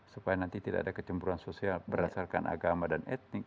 supaya nanti tidak ada kecemburuan sosial berdasarkan agama dan etnik